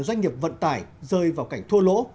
doanh nghiệp vận tải rơi vào cảnh thua lỗ